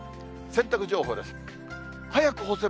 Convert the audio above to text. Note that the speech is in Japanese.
洗濯情報です。